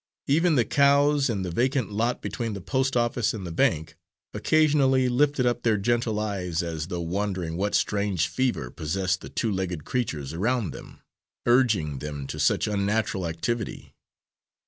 Even the cows in the vacant lot between the post office and the bank occasionally lifted up their gentle eyes as though wondering what strange fever possessed the two legged creatures around them, urging them to such unnatural activity.